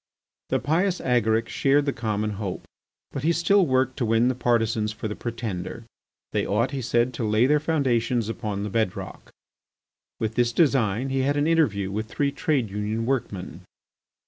The pious Agaric shared the common hope. But he still worked to win partisans for the Pretender. They ought, he said, to lay their foundations upon the bed rock. With this design he had an interview with three Trade Union workmen.